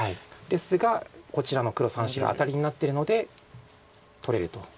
ですがこちらの黒３子がアタリになってるので取れると。